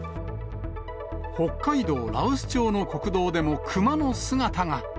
北海道羅臼町の国道でもクマの姿が。